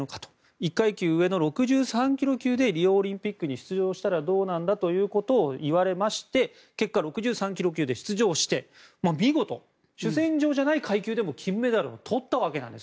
１階級上の６３ｋｇ級でリオオリンピックに出場したらどうなんだと言われまして結果、６３ｋｇ級で出場して見事主戦場じゃない階級でも金メダルを取ったんです。